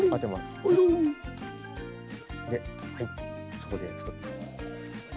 そこでストップ。